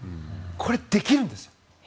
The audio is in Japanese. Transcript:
これ、できるんですよ。